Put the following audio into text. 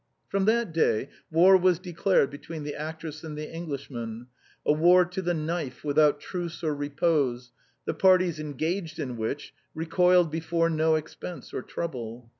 From that day war was declared between the actress and the Englishman; a war to the knife, without truce or repose, the parties engaged in which recoiled before no expense or trouble.